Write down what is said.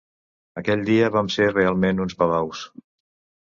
Aquell dia vam ser realment uns babaus.